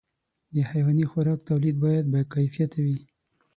د حيواني خوراک توليد باید باکیفیته وي.